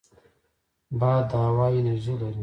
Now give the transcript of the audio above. باد د هوا انرژي لري